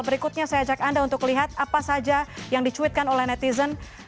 berikutnya saya ajak anda untuk lihat apa saja yang dicuitkan oleh netizen